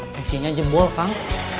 atensinya jebol kang